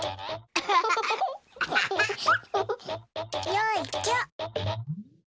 よいちょ。